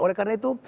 oleh karena itu